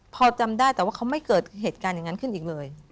พอจำได้แต่ว่าเขาไม่เกิดเหตุการณ์อย่างนั้นขึ้นอีกเลย